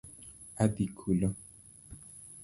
Adhi kulo